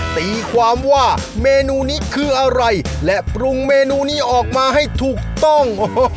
ตีความว่าเมนูนี้คืออะไรและปรุงเมนูนี้ออกมาให้ถูกต้อง